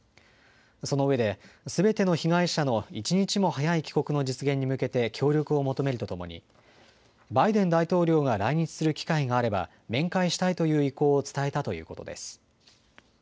その上で、すべての被害者の一日も早い帰国の実現に向けて協力を求めるとともに、バイデン大統領が来日する機会があれば、面会したいという意向を伝えたということです。